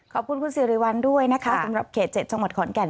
ขอบคุณคุณสิริวัลด้วยนะคะสำหรับเขต๗จังหวัดขอนแก่น